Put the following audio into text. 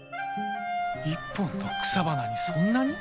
一本の草花にそんなに？